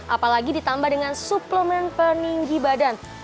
apalagi ditambah dengan suplemen peninggi badan